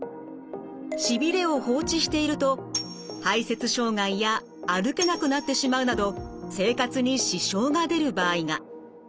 しびれを放置していると排せつ障害や歩けなくなってしまうなど生活に支障が出る場合が。